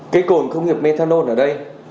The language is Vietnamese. cái cồn công nghiệp methanol ở đây